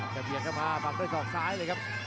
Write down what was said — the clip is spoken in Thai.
เปลี่ยนกระปะฝั่งด้วยศอกซ้ายเลยครับ